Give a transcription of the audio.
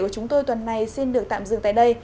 của chúng tôi tuần này xin được tạm dừng tại đây